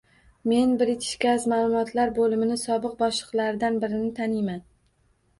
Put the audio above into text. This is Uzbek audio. Men “British Gas” maʼlumotlar boʻlimini sobiq boshliqlardan birini taniyman.